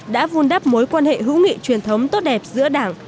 đã vun đắp mối quan hệ hữu nghị truyền thống tốt đẹp giữa đảng